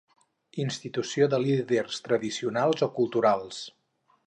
Institució de líders tradicionals o culturals.